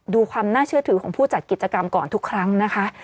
ดูความน่าเชื่อถือของผู้จัดกิจกรรมก่อนทุกครั้งนะคะ